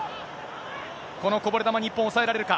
このこぼれ球、日本、押さえられるか。